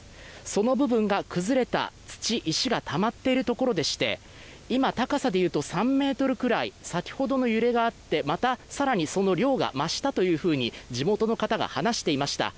その部分が崩れた土、石がたまっているところでして今高さでいうと３ｍくらい先ほどの揺れがあってまたさらにその量が増したというふうに地元の方が話していました